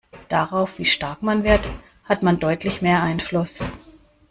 Darauf, wie stark man wird, hat man deutlich mehr Einfluss.